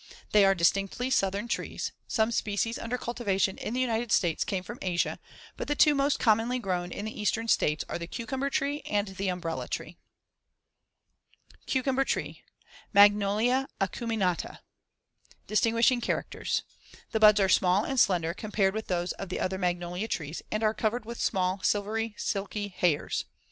They are distinctly southern trees; some species under cultivation in the United States come from Asia, but the two most commonly grown in the Eastern States are the cucumber tree and the umbrella tree. [Illustration: FIG. 81. Bark of the Black Locust.] CUCUMBER TREE (Magnolia acuminata) Distinguishing characters: The *buds* are small and slender compared with those of the other magnolia trees and are covered with small silvery silky hairs.